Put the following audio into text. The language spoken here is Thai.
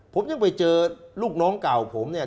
ผมยังไปเจอลูกน้องเก่าผมเนี่ย